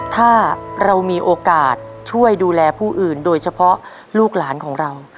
ถ้าเรามีโอกาสช่วยดูแลผู้อื่นโดยเฉพาะลูกหลานของเรา